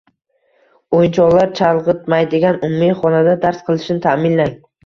o'yinchoqlar chalg'itmaydigan umumiy xonada dars qilishini ta’minlang.